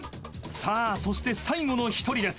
［さあそして最後の１人です。